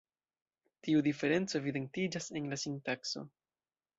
Tiu diferenco evidentiĝas en la sintakso.